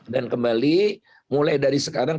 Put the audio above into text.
dan kembali mulai dari sekarang